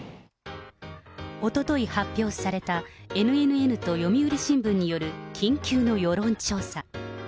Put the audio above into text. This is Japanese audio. おととい発表された、ＮＮＮと読売新聞による緊急の世論調査。